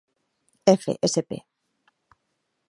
F. Sp.